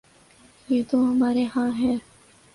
یہ تو ہمارے ہاں ہے۔